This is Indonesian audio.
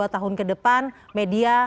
tahun ke depan media